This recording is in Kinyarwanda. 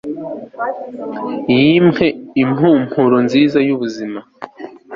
Yemwe impumuro nziza yubuzima